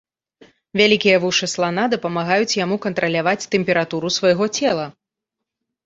Вялікія вушы слана дапамагаюць яму кантраляваць тэмпературу свайго цела.